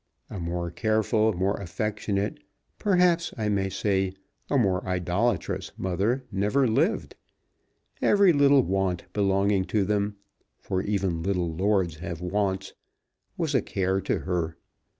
A more careful, more affectionate, perhaps, I may say, a more idolatrous mother never lived. Every little want belonging to them, for even little lords have wants, was a care to her.